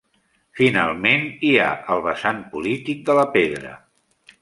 Finalment, hi ha el vessant polític de la pedra.